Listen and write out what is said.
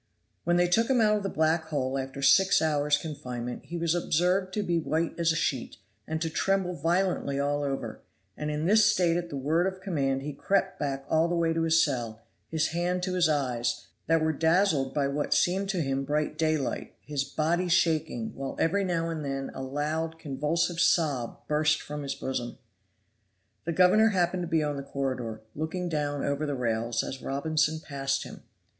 When they took him out of the black hole after six hours' confinement he was observed to be white as a sheet, and to tremble violently all over, and in this state at the word of command he crept back all the way to his cell, his hand to his eyes, that were dazzled by what seemed to him bright daylight, his body shaking, while every now and then a loud, convulsive sob burst from his bosom. The governor happened to be on the corridor, looking down over the rails as Robinson passed him.